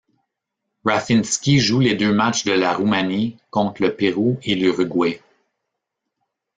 Raffinsky joue les deux matchs de la Roumanie, contre le Pérou et l'Uruguay.